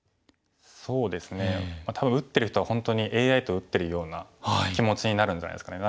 そうですね多分打ってる人は本当にＡＩと打ってるような気持ちになるんじゃないですかね。